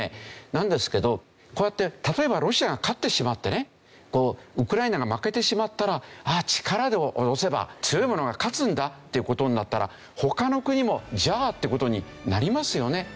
なんですけどこうやって例えばロシアが勝ってしまってねウクライナが負けてしまったら力で押せば強い者が勝つんだっていう事になったら他の国も「じゃあ」って事になりますよね。